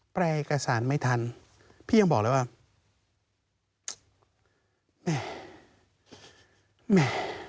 แปรกษารังไม่ทันพี่ยังบอกแล้วว่า